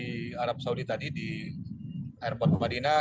sejak jamaah tiba di arab saudi tadi di airport madinah